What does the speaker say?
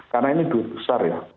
karena ini duit besar ya